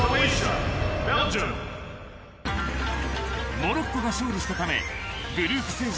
モロッコが勝利したためグループステージ